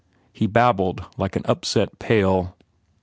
He babbled like an upset pail.